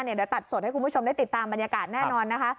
เดี๋ยวตัดสดให้คุณผู้ชมได้ติดตามบรรยากาศแน่นอนนะคะ